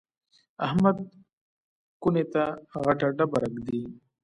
احمد کونې ته غټه ډبره ږدي.